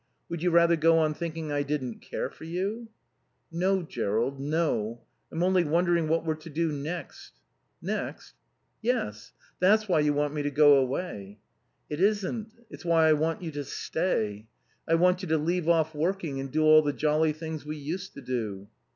Would you rather go on thinking I didn't care for you?" "No, Jerrold, no. I'm only wondering what we're to do next." "Next?" "Yes. That's why you want me to go away." "It isn't. It's why I want you to stay. I want you to leave off working and do all the jolly things we used to do."